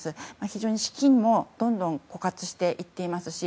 非常に資金もどんどん枯渇していっていますし